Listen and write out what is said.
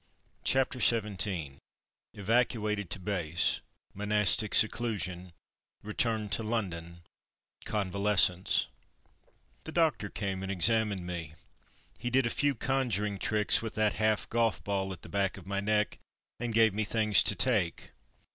CHAPTER XVII EVACUATED TO BASE — MONASTIC SECLU SION — RETURN TO LONDON — CONVALESCENCE The doctor came and examined me. He did a few conjuring tricks with that half golf ball at the back of my neck and gave me things to take.